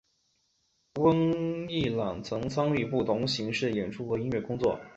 温逸朗曾参与不同形式的演出和音乐工作。